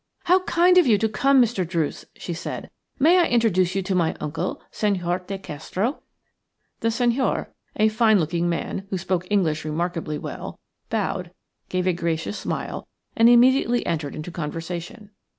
"How kind of you to come, Mr. Druce!" she said. "May I introduce you to my uncle, Senhor de Castro?" "'HOW KIND OF YOU TO COME, MR. DRUCE,' SHE SAID." The Senhor, a fine looking man, who spoke English remarkably well, bowed, gave a gracious smile, and immediately entered into conversation.